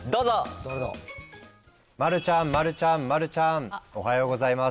丸ちゃん、丸ちゃん、丸ちゃん、おはようございます。